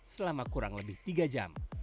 selama kurang lebih tiga jam